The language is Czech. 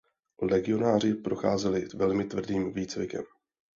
Legionáři procházeli velmi tvrdým výcvikem.